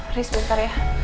aris bentar ya